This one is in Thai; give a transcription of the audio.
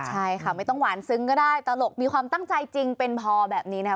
ใช่ค่ะไม่ต้องหวานซึ้งก็ได้ตลกมีความตั้งใจจริงเป็นพอแบบนี้นะครับ